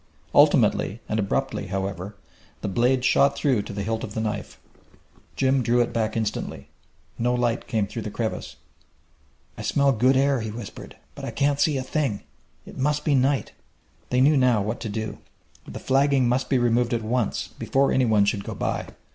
Ultimately, and abruptly, however, the blade shot through to the hilt of the knife. Jim drew it back instantly. No light came through the crevice. "I smell good air," he whispered, "but I can't see a thing. It must be night!" They knew now what to do. The flagging must be removed at once, before any one should go by!